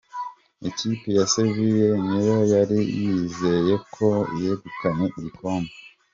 ikipe ya seville niyo yari yizeye ko yegukanye igikombe